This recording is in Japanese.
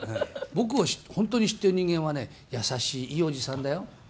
僕を本当に知ってる人間はね、優しいいいおじさんだよ。